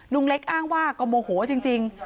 ลุงเล็กอ้างว่าก็โมโหจริง